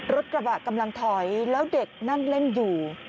กระบะกำลังถอยแล้วเด็กนั่งเล่นอยู่